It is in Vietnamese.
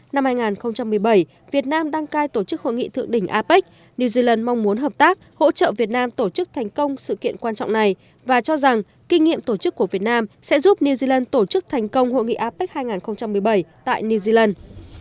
năm hai nghìn một mươi bảy việt nam đăng cai tổ chức hội nghị thượng đỉnh apec new zealand mong muốn hợp tác hỗ trợ việt nam tổ chức thành công sự kiện quan trọng này và cho rằng kinh nghiệm tổ chức của việt nam sẽ giúp new zealand tổ chức thành công hội nghị apec hai nghìn một mươi bảy tại new zealand